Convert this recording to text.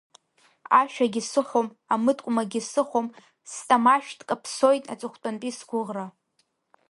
Ашәагьы сыхәом, амыткәмагьы сыхәом, стамашәҭ каԥсоит, аҵыхәтәантәи сгәыӷра!